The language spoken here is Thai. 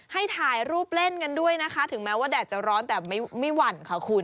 ให้ถ่ายรูปเล่นกันด้วยนะคะถึงแม้ว่าแดดจะร้อนแต่ไม่หวั่นค่ะคุณ